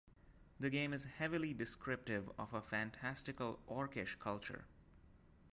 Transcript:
The game is heavily descriptive of a fantastical orkish culture.